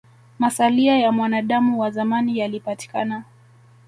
Masalia ya mwanadamu wa zamani yalipatikana